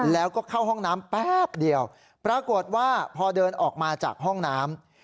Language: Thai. แล้วก็เข้าห้องน้ำแป๊บเดียวปรากฏว่าพอเดินออกมาจากห้องน้ำ